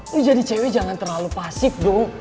lo jadi cewe jangan terlalu pasif dong